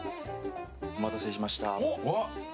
お待たせしました。